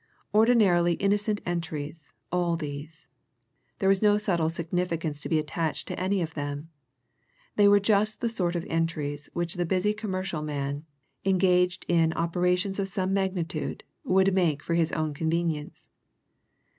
Ordinarily innocent entries, all these; there was no subtle significance to be attached to any of them: they were just the sort of entries which the busy commercial man, engaged in operations of some magnitude, would make for his own convenience.